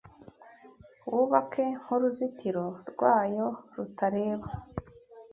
Wubake nk’uruzitiro rwayo rutareba